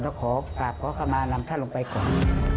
แล้วก็ขอขอขมานำท่านลงไปก่อน